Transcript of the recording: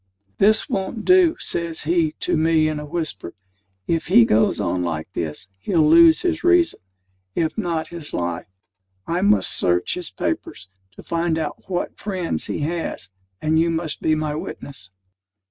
"This won't do," says he to me in a whisper. "If he goes on like this, he'll lose his reason, if not his life. I must search his papers, to find out what friends he has; and you must be my witness."